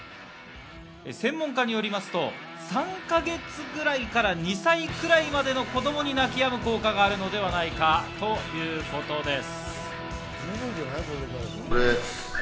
専門家によりますと、３か月ぐらいから２歳くらいまでの子供に泣きやむ効果があるのではないかということです。